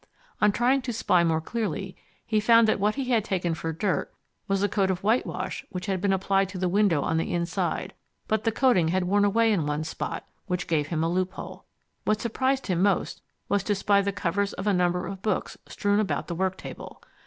On trying to spy more clearly he found that what he had taken for dirt was a coat of whitewash which had been applied to the window on the inside, but the coating had worn away in one spot which gave him a loophole. What surprised him most was to spy the covers of a number of books strewn about the work table.